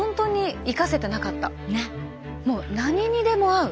もう何にでも合う。